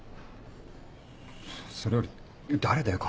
それより誰だよ？